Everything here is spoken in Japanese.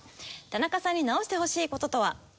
田中さんに直してほしい事とは？